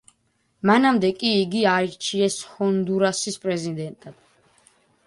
მანამდე კი იგი აირჩიეს ჰონდურასის პრეზიდენტად.